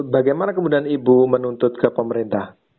bagaimana kemudian ibu menuntut ke pemerintah